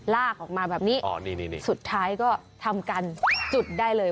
ลากออกมาแบบนี้อ๋อนี่นี่นี่สุดท้ายก็ทำกันจุดได้เลย